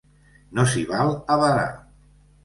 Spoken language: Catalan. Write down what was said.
No s'hi val a badar!